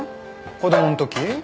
子供んとき？